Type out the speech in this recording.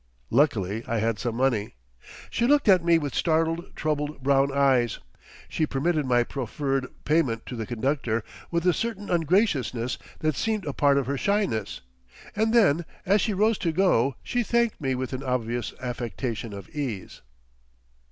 Luckily I had some money. She looked at me with startled, troubled brown eyes; she permitted my proffered payment to the conductor with a certain ungraciousness that seemed a part of her shyness, and then as she rose to go, she thanked me with an obvious affectation of ease.